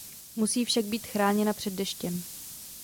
Musí však být chráněna před deštěm.